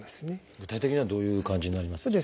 具体的にはどういう感じになりますか？